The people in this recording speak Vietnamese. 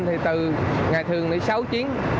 thì từ ngày thường sáu chiến